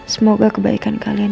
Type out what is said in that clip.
semoga kebaikan kalian